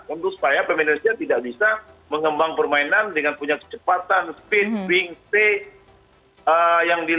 untuk supaya pemain indonesia tidak bisa mengembang permainan dengan punya kecepatan speed swing speed